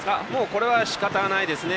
これはしかたないですね。